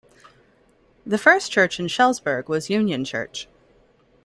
The first church in Schellsburg was Union Church.